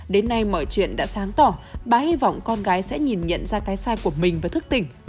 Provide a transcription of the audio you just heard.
đến nay mọi chuyện đã sáng tỏ bà hy vọng con gái sẽ nhìn nhận ra cái sai của mình và thức tỉnh